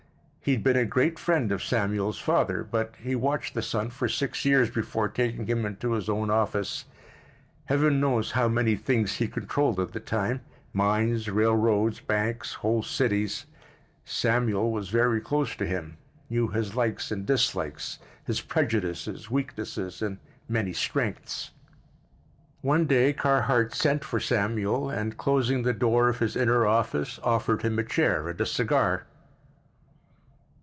He had been a great friend of Samuel's father, but he watched the son for six years before taking him into his own office. Heaven knows how many things he controlled at that time—mines, railroads, banks, whole cities. Samuel was very close to him, knew his likes and dislikes, his prejudices, weaknesses and many strengths. One day Carhart sent for Samuel and, closing the door of his inner office, offered him a chair and a cigar.